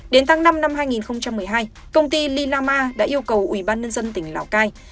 đến tháng năm năm hai nghìn một mươi hai công ty lillama đã yêu cầu ubnd tỉnh lào cai